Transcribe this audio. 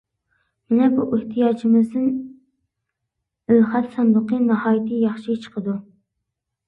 مانا بۇ ئېھتىياجىمىزدىن ئېلخەت ساندۇقى ناھايىتى ياخشى چىقىدۇ.